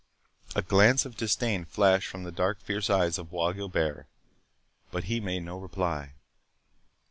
A glance of disdain flashed from the dark fierce eyes of Bois Guilbert, but he made no reply.